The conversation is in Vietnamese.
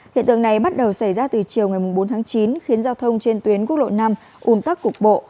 hiện tượng này bắt đầu xảy ra từ chiều ngày bốn tháng chín khiến giao thông trên tuyến quốc lộ năm ùn tắc cục bộ